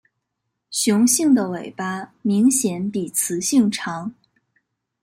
雄性的尾巴明显比雌性长。